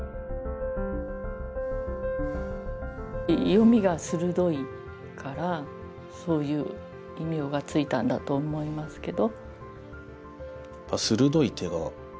ヨミが鋭いからそういう異名が付いたんだと思いますけど。